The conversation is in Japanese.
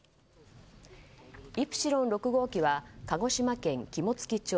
「イプシロン６号機」は鹿児島県肝付町